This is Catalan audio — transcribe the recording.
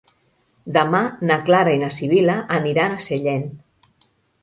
Demà na Clara i na Sibil·la aniran a Sellent.